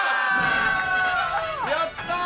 やったー！